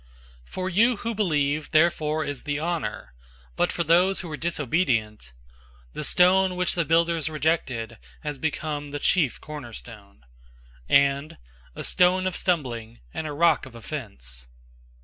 "{Isaiah 28:16} 002:007 For you who believe therefore is the honor, but for those who are disobedient, "The stone which the builders rejected, has become the chief cornerstone,"{Psalm 118:22} 002:008 and, "a stone of stumbling, and a rock of offense."